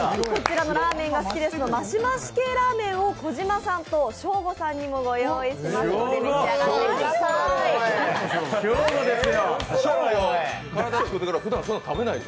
ラーメンが好きですのマシマシ系のラーメンを小島さんとショーゴさんにもご用意しましたので召し上がってください。